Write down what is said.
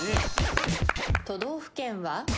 都道府県は？